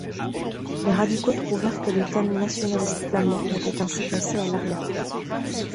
Les radicaux trouvèrent que les thèmes nationalistes flamands étaient ainsi placés à l'arrière-plan.